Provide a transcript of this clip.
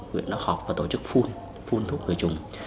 huyện đa khoa và tổ chức phun thuốc khử trùng